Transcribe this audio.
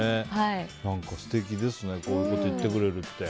素敵ですねこういうことを言ってくれるのは。